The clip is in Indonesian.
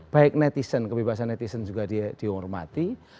baik netizen kebebasan netizen juga dihormati